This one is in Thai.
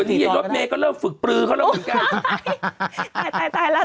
ที่เย็นรถเมย์ก็เริ่มฝึกปลือเขาแล้วเหมือนกัน